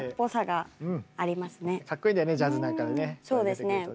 そうですね